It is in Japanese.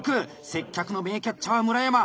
接客の名キャッチャー村山一本